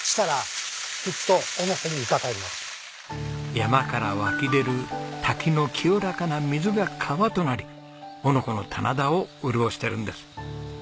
山から湧き出る滝の清らかな水が川となり男ノ子の棚田を潤してるんです。